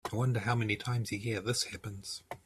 I wonder how many times a year this happens.